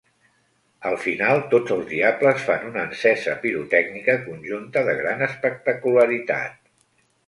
Al final, tots els diables fan una encesa pirotècnica conjunta de gran espectacularitat.